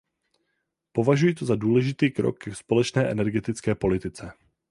Považuji to za důležitý krok ke společné energetické politice.